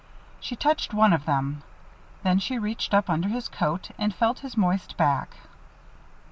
She touched one of them. Then she reached up under his coat and felt his moist back.